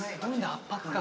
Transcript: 圧迫感。